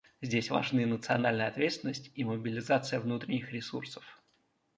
Здесь важны национальная ответственность и мобилизация внутренних ресурсов.